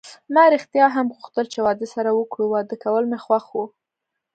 ما ریښتیا هم غوښتل چې واده سره وکړو، واده کول مې خوښ و.